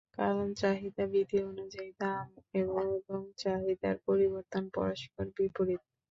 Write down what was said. কারণ চাহিদা বিধি অনুযায়ী দাম এবং চাহিদার পরিবর্তন পরস্পর বিপরীত।